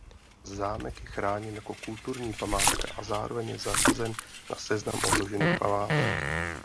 Zámek je chráněn jako kulturní památka a zároveň je zařazen na seznam ohrožených památek.